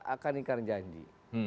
akan ingkaran janji